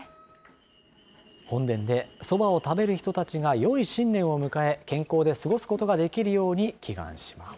本殿で、そばを食べる人たちがよい新年を迎え、健康で過ごすことができるように祈願します。